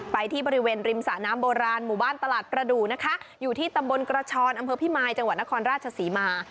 ไปที่บริเวณริมสระน้ำโบราณหมู่บ้านตลาดประดูกนะคะอยู่ที่ตำบลกระชอนอำเภอพิมายจังหวัดนครราชศรีมา